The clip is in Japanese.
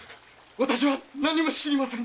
私は何も知りません！